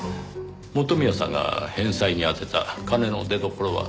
元宮さんが返済に充てた金の出どころは？